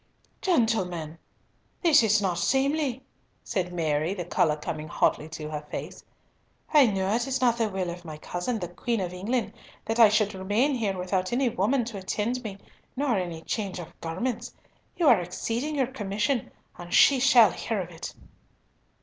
"Gentlemen, this is not seemly," said Mary, the colour coming hotly into her face. "I know it is not the will of my cousin, the Queen of England, that I should remain here without any woman to attend me, nor any change of garments. You are exceeding your commission, and she shall hear of it."